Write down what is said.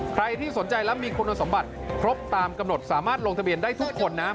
ใครที่สนใจและมีคุณสมบัติครบตามกำหนดสามารถลงทะเบียนได้ทุกคนนะ